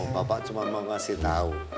bapak cuma mau kasih tau